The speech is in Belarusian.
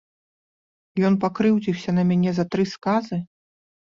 Ён пакрыўдзіўся на мяне за тры сказы?